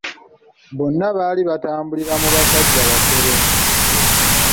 Bonna baali batambulira mu basajja bafere.